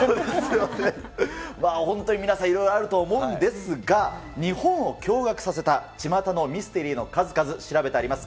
本当に皆さん、いろいろあると思うんですが、日本を驚がくさせたちまたのミステリーの数々、調べてあります。